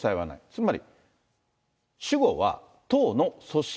つまり、主語は党の組織